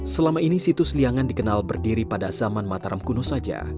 selama ini situs liangan dikenal berdiri pada zaman mataram kuno saja